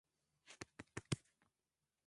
Wakimbizi waliumia sana